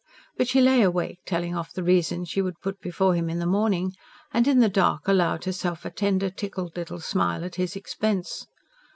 But she lay awake telling off the reasons she would put before him in the morning; and in the dark allowed herself a tender, tickled little smile at his expense.